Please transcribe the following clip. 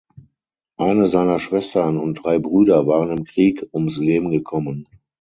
Eine seiner Schwestern und drei Brüder waren im Krieg ums Leben gekommen.